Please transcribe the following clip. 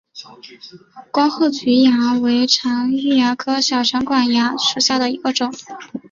光褐菊蚜为常蚜科小长管蚜属下的一个种。